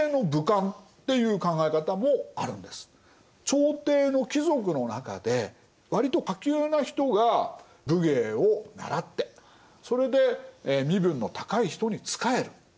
朝廷の貴族の中で割と下級な人が武芸を習ってそれで身分の高い人に仕える。